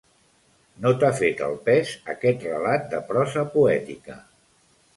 No t'ha fet el pes aquest relat de prosa poètica.